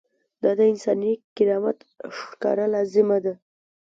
دا د انساني کرامت ښکاره لازمه ده.